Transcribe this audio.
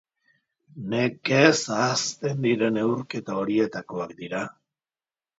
Nekez ahazten diren neurketa horietakoak dira.